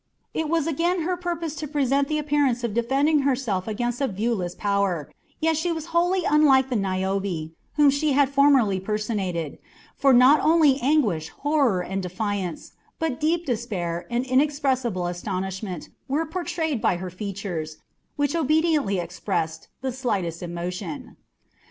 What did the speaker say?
It was again her purpose to present the appearance of defending herself against a viewless power, yet she was wholly unlike the Niobe whom she had formerly personated, for not only anguish, horror, and defiance, but deep despair and inexpressible astonishment were portrayed by her features, which obediently expressed the slightest emotion.